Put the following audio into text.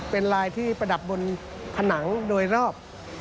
เป็นลายที่ประดับบนผนังโดยรอบ